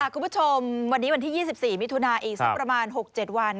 คุณผู้ชมวันนี้วันที่๒๔มิถุนาอีกสักประมาณ๖๗วัน